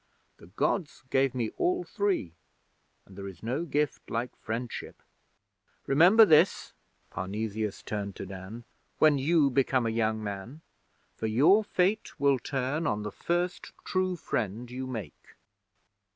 The Gods gave me all three, and there is no gift like friendship. Remember this' Parnesius turned to Dan 'when you become a young man. For your fate will turn on the first true friend you make.'